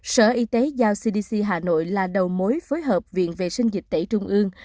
sở y tế giao cdc hà nội là đầu mối phối hợp viện vệ sinh dịch tễ trung ương